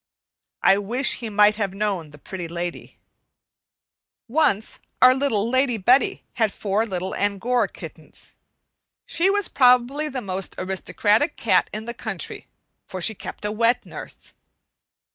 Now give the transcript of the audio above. I wish he might have known the Pretty Lady. Once our Lady Betty had four little Angora kittens. She was probably the most aristocratic cat in the country, for she kept a wet nurse.